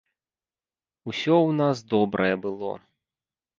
Усё ў нас добрае было.